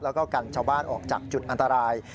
แล้วก็กันชาวบ้านออกจากจุดอันตราย